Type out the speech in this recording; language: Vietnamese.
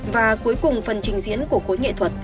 và cuối cùng phần trình diễn của khối nghệ thuật